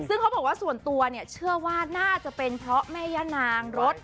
ซึ่งเขาบอกว่าส่วนตัวเนี่ยเชื่อว่าน่าจะเป็นเพราะแม่ย่านางรถ